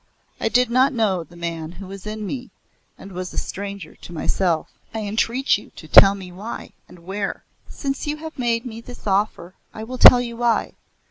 I did not know the man who was in me, and was a stranger to myself. "I entreat you to tell me why, and where." "Since you have made me this offer, I will tell you why.